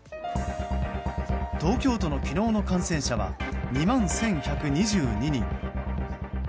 東京都の昨日の感染者は２万１１２２人。